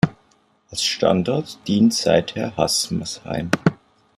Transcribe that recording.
Als Standort dient seither Haßmersheim.